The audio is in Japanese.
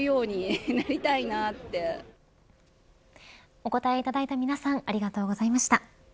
お答えいただいた皆さんありがとうございました。